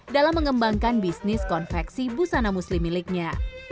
dalam mengembangkan bisnis konveksi busana muslim miliknya